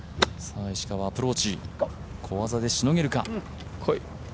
石川、アプローチ小技でしのげるか。